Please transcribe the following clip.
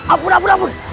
abun abun abun